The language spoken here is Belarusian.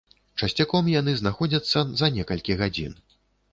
Часцяком яны знаходзяцца за некалькі гадзін.